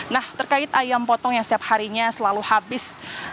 nah terkait ayam potong yang setiap harinya selalu habis